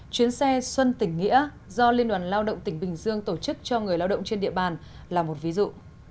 chuyến xe xuân tỉnh nghĩa do liên đoàn lao động tỉnh bình dương tổ chức cho người lao động trên địa bàn là một ví dụ